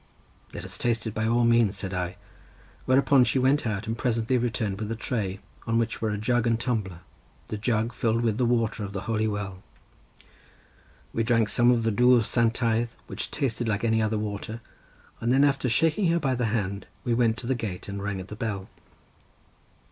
"Let us taste it by all means," said I; whereupon she went out, and presently returned with a tray on which were a jug and tumbler, the jug filled with the water of the holy well; we drank some of the dwr santaidd, which tasted like any other water, and then after shaking her by the hand, we went to the gate, and rang at the bell.